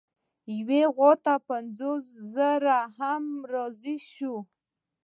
یوې غوا ته په پنځوس زره هم راضي نه شو.